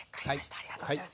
ありがとうございます。